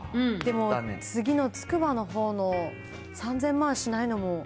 でも次のつくばのほうの３０００万しないのも。